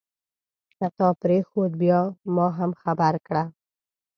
که تا پرېښود بیا ما هم خبر کړه.